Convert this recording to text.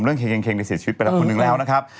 เรื่องเครงในเสียชีวิตไปละคนนึงแล้วนะครับ